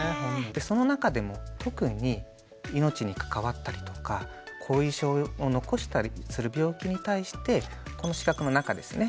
その中でも特に命に関わったりとか後遺症を残したりする病気に対してこの四角の中ですね。